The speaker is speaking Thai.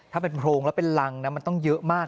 ถ้าเป็นโพรงแล้วเป็นรังนะมันต้องเยอะมาก